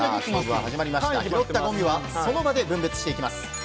拾ったゴミはその場で分別していきます。